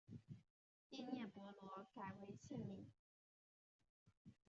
第聂伯罗改为现名。